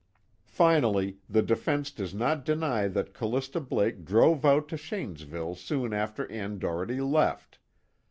Finally, the defense does not deny that Callista Blake drove out to Shanesville soon after Ann Doherty left.